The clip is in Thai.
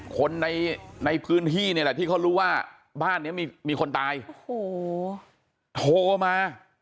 คนในพื้นที่นี่แหละที่เขารู้ว่าบ้านเนี้ยมีคนตายโอ้โหโทรมา